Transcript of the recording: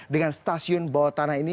dengan stasiun bawah tanah ini